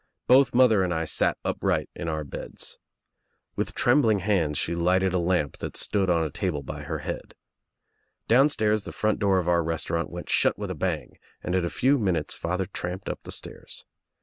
Both mother and I sat upright in our beds. With trembling hands she lighted a lamp that stood on a table by her head. Downstairs the front door of our restaurant went shut with a bang and in a few minutes father tramped up the stairs.